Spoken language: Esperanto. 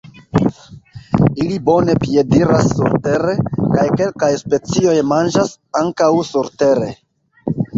Ili bone piediras surtere, kaj kelkaj specioj manĝas ankaŭ surtere.